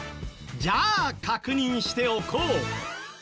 じゃあ確認しておこう。